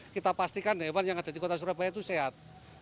kita pastikan hewan yang ada di kota surabaya itu sehat